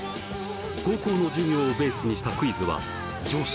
高校の授業をベースにしたクイズは常識？